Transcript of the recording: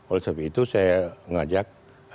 oleh sebab itu saya mengajak